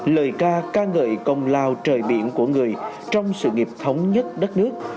lời ca ca ngợi công lao trời biển của người trong sự nghiệp thống nhất đất nước